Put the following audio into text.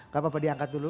gak apa apa diangkat dulu